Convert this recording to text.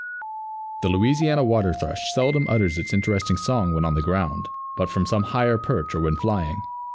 The Louisiana Water thrush seldom utters its interesting song when on the ground, but from some higher perch or when flying.